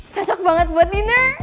cocok banget buat dinner